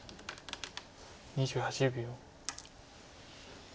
２８秒。